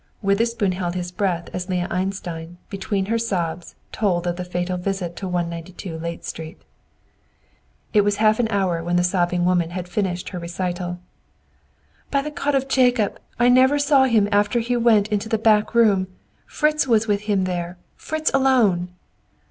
Witherspoon held his breath as Leah Einstein, between her sobs, told of the fatal visit to No. 192 Layte Street. It was half an hour when the sobbing woman had finished her recital. "By the God of Jacob! I never saw him after he went into the back room. Fritz was with him there, Fritz alone!"